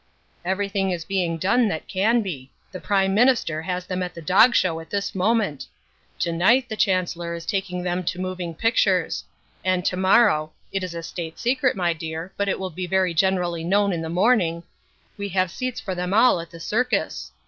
"Everything is being done that can be. The Prime Minister has them at the Dog Show at this moment. To night the Chancellor is taking them to moving pictures. And to morrow it is a State secret, my dear, but it will be very generally known in the morning we have seats for them all at the circus.